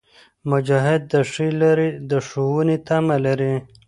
مجاهد د ښې لارې د ښوونې تمه لري.